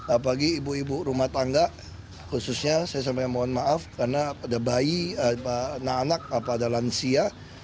apalagi ibu ibu rumah tangga khususnya saya sampaikan mohon maaf karena ada bayi anak anak apa ada lansia